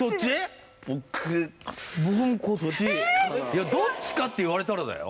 いやどっちかって言われたらだよ。